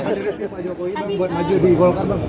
dari risetnya pak jokowi bang buat maju di golkar bang